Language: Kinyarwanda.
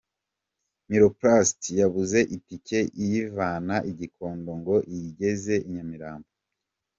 Miroplast yabuze itike iyivana i Gikondo ngo iyigeze i Nyamirambo.